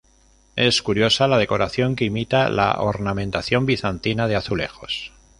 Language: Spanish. Es curiosa la decoración que imita la ornamentación bizantina de azulejos.